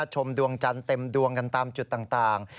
ชมดวงจันทร์เต็มดวงกันตามจุดต่าง